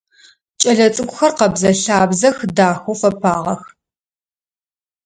Кӏэлэцӏыкӏухэр къэбзэ-лъабзэх, дахэу фэпагъэх.